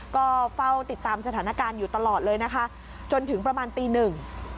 ก็เฝ้าติดตามสถานการณ์อยู่ตลอดเลยนะคะจนถึงประมาณตีหนึ่ง